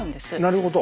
なるほど。